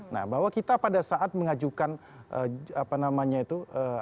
nah bahwa kita pada saat mengajukan apa namanya itu